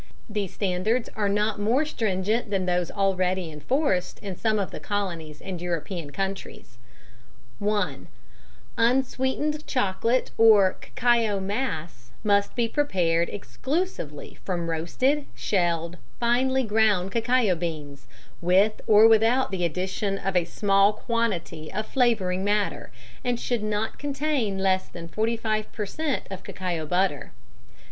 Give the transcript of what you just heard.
These standards are not more stringent than those already enforced in some of the Colonies and European countries: (1) Unsweetened chocolate or cacao mass must be prepared exclusively from roasted, shelled, finely ground cacao beans, with or without the addition of a small quantity of flavouring matter, and should not contain less than 45 per cent. of cacao butter.